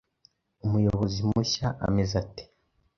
Umuyobozi mushya ameze ate?